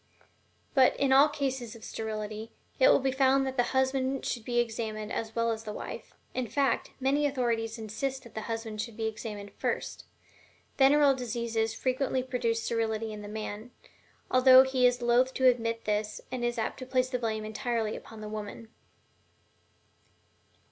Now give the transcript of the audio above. But, in all cases of sterility, it will be found that the husband should be examined as well as the wife in fact, many authorities insist that the husband should be examined first. Venereal diseases frequently produce sterility in the man, although he is loath to admit this and is apt to place the blame entirely upon the woman.